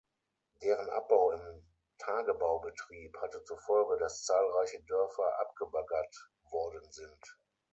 Deren Abbau im Tagebaubetrieb hatte zur Folge, dass zahlreiche Dörfer abgebaggert worden sind.